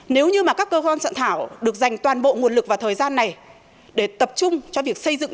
nếu như mà các cơ quan sẵn thảo được dành toàn bộ nguồn lực và thời gian này để tập trung cho việc xây dựng